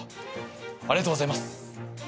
ありがとうございます。